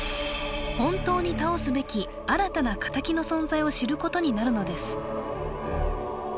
本当に倒すべき新たな敵の存在を知ることになるのです